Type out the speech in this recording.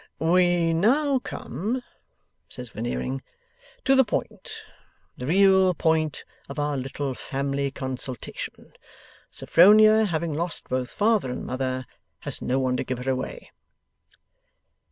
'We now come,' says Veneering, 'to the point, the real point, of our little family consultation. Sophronia, having lost both father and mother, has no one to give her away.